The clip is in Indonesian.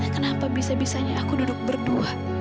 kenapa bisa bisanya aku duduk berdua